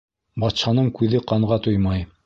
Батшаның күҙе ҡанға туймай.